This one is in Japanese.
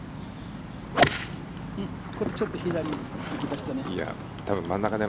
ちょっと左に行きましたね。